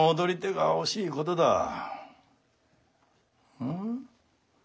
うん？